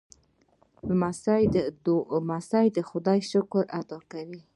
لمسی د خدای شکر ادا کوي.